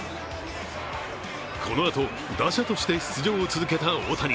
このあと打者として出場を続けた大谷。